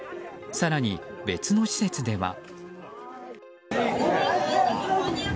更に別の施設では。